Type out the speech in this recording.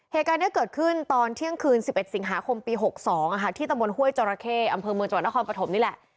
เหตุการณ์นี้เกิดขึ้นตอนเที่ยงคืน๑๑สิงหาคมปี๖๒ที่ตะบนห้วยจราเข้อำเภอเมืองจังหวัดนครปฐมนี่แหละ